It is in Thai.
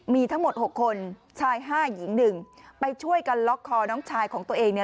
มีทั้งหมดหกคนชายห้าหญิงหนึ่งไปช่วยกันล็อกคอน้องชายของตัวเองเนี่ย